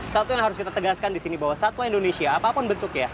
satu yang harus kita tegaskan di sini bahwa satwa indonesia apapun bentuknya